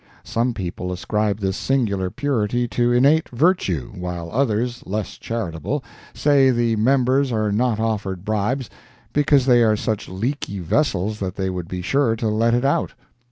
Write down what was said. Some people ascribe this singular purity to innate virtue, while others less charitable say the members are not offered bribes because they are such leaky vessels that they would be sure to let it out.